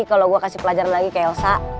kalau gue kasih pelajaran lagi ke elsa